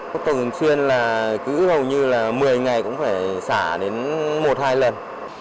công ty thải xuyên là hầu như một mươi ngày cũng phải xả đến một hai lần